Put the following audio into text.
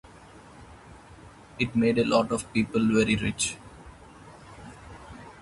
It's made a lot of people very rich.